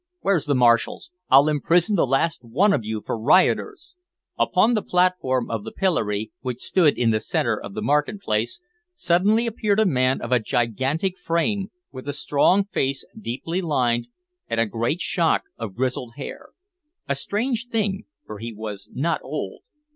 Where's the marshal? I'll imprison the last one of you for rioters!" Upon the platform of the pillory, which stood in the centre of the market place, suddenly appeared a man of a gigantic frame, with a strong face deeply lined and a great shock of grizzled hair, a strange thing, for he was not old.